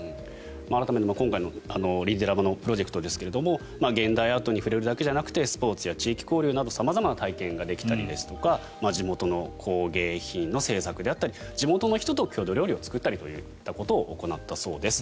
改めて今回のリディラバのプロジェクトですが現代アートに触れるだけじゃなくてスポーツや地域交流など様々な体験ができたりですとか地元の工芸品の制作だったり地元の人と郷土料理を作ったりということを行ったそうです。